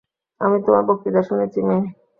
আমি তোমার বক্তৃতা শুনেছি, মেয়ে।